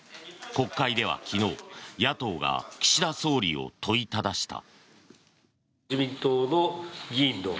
国会では昨日野党が岸田総理を問いただした。